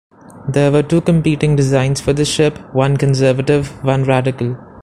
There were two competing designs for this ship, one conservative, one radical.